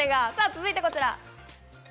続いて、こちら。